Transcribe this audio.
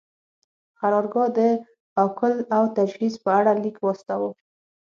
قرارګاه د اکل او تجهیز په اړه لیک واستاوه.